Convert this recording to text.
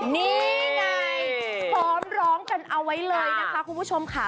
นี่ไงฟ้องร้องกันเอาไว้เลยนะคะคุณผู้ชมค่ะ